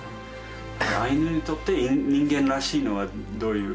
アイヌにとって人間らしいのはどういう？